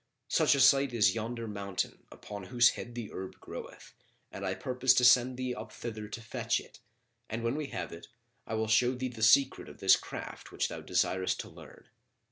Such a site is yonder mountain upon whose head the herb groweth and I purpose to send thee up thither to fetch it; and when we have it, I will show thee the secret of this craft which thou desirest to learn."